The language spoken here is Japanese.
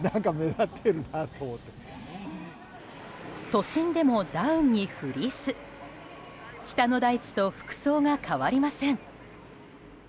都心でもダウンにフリース北の大地と服装が変わりません。